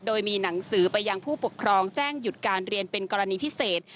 โดยมีหนังสือไปยังผู้ปกครองแจ้งหยุดการเรียนเป็นกรณีพิเศษ